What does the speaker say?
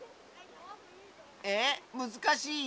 えっ？むずかしい？